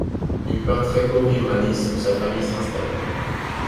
Il part très tôt vivre à Nice où sa famille s'installe.